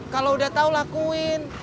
kalau udah tau lakuin